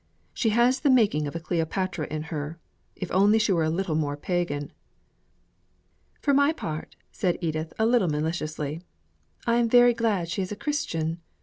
She has the making of a Cleopatra in her, if only she were a little more pagan." "For my part," said Edith, a little maliciously, "I am very glad she is a Christian.